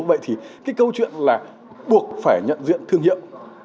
vậy thì cái câu chuyện là buộc phải nhận diện thương hiệu